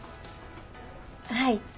はい。